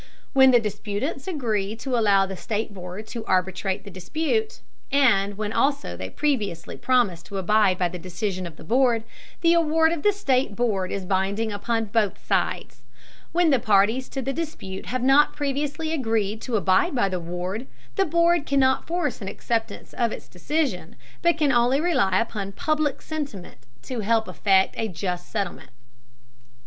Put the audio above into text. When the disputants agree to allow the state board to arbitrate the dispute, and when also they previously promise to abide by the decision of the board, the award of the state board is binding upon both sides. When the parties to the dispute have not previously agreed to abide by the award, the board cannot force an acceptance of its decision, but can only rely upon public sentiment to help effect a just settlement.